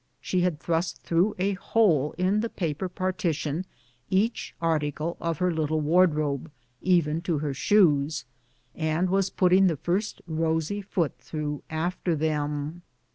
She had thrust through a hole in the paper partition each article of her little wardrobe, even to her shoes, and was putting the first rosy foot through after them.